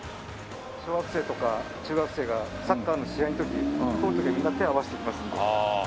小学生とか中学生がサッカーの試合の時通る時はみんな手を合わせていきますので。